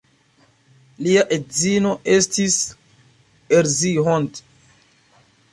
Lia edzino estis Erzsi Hont.